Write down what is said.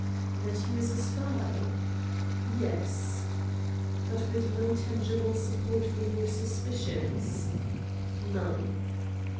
"That he is a spy?" "Yes." "But with no tangible support for your suspicions?" "None."